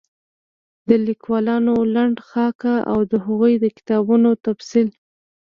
د ليکوالانو لنډه خاکه او د هغوی د کتابونو تفصيل